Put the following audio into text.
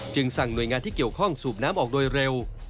สั่งหน่วยงานที่เกี่ยวข้องสูบน้ำออกโดยเร็ว